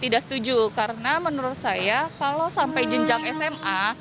tidak setuju karena menurut saya kalau sampai jenjang sma